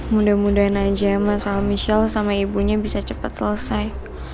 mudah mudahan aja masalah michelle sama ibunya bisa cepat selesai